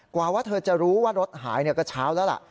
ว่าเธอจะรู้ว่ารถหายก็เช้าแล้วล่ะ